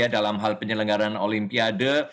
dalam hal penyelenggaran olimpiade